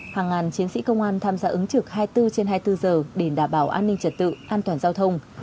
hàng ngàn chiến sĩ công an tham gia ứng trực hai mươi bốn trên hai mươi bốn giờ để đảm bảo an ninh trật tự an toàn giao thông